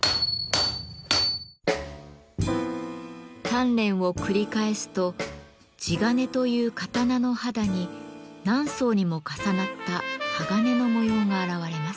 鍛錬を繰り返すと地鉄という刀の肌に何層にも重なった鋼の模様が現れます。